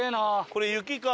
これ雪か。